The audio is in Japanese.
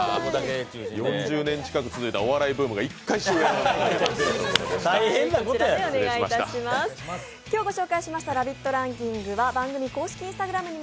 ６０年近く続いたお笑いブームが一回終わりました。